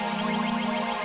wikiingu berasal dari tuhan mah